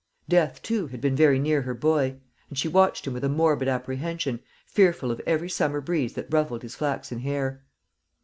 Death, too, had been very near her boy; and she watched him with a morbid apprehension, fearful of every summer breeze that ruffled his flaxen hair.